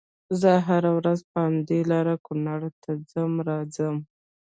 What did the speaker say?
زه هره ورځ په همدې لار کونړ ته ځم راځم